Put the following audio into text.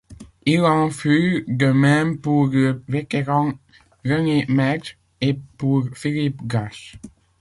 Il en fut de même pour le vétéran René Metge, et pour Philippe Gache.